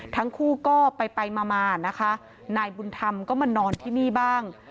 ทั้งคู่ก็ไปไปมามานะคะนายบุญธรรมก็มานอนที่นี่บ้าง